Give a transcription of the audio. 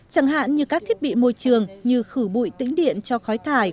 chẳng hạn như các thiết bị môi trường như khử bụi tĩnh điện cho khói thải